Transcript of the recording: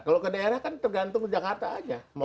kalau ke daerah kan tergantung jakarta aja